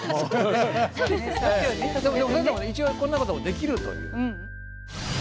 それでも一応こんなこともできるという。